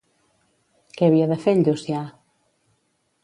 Què havia de fer en Llucià?